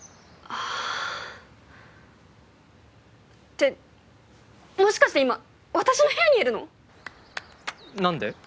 あぁ。ってもしかして今私の部屋にいるの⁉何で？